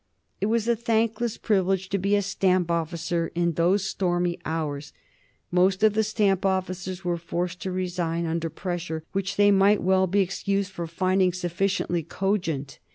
It was a thankless privilege to be a stamp officer in those stormy hours. Most of the stamp officers were forced to resign under pressure which they might well be excused for finding sufficiently cogent.